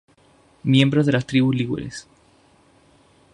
Miembros de las tribus ligures.